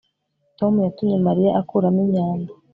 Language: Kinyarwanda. tom yatumye mariya akuramo imyanda